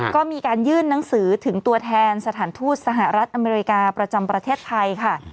ก็มีการยื่นหนังสือถึงตัวแทนสถานทูตสหรัฐอเมริกาประจำประเทศไทยค่ะ